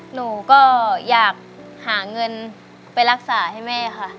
หนูก็อยากหาเงินไปรักษาให้แม่ค่ะ